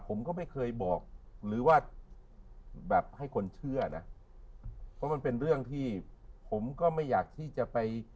ผมก็ไม่เคยบอกหรือว่าแบบให้คนเชื่อนะเพราะมันเป็นเรื่องที่ผมก็ไม่อยากที่จะไป